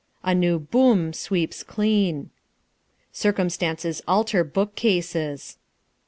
A new boom sweeps clean. Circumstances alter bookcases.